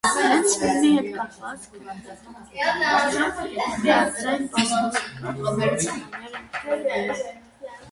Հենց ֆիլմի հետ կապված՝ քննադատները միաձայն բացասական գնահատականներ են տվել նրան։